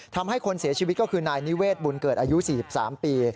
ทำให้คนเสียชีวิตก็คือนายนิเวศบุญเกิดอายุ๔๓ปี